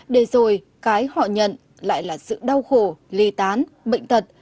để rồi cái họ nhận lại là sự đau khổ ly tán bệnh tật